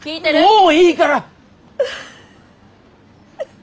もういいから！